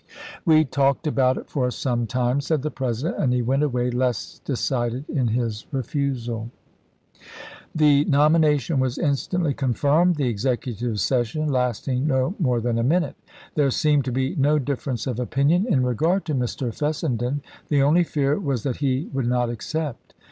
" We talked about it for some time," said the President, " and he went away less decided in his refusal." dW 100 ABRAHAM LINCOLN chap. iv. The nomination was instantly confirmed, the executive session lasting no more than a minute. There seemed to be no difference of opinion in regard to Mr. Fessenden ; the only fear was that he would not accept.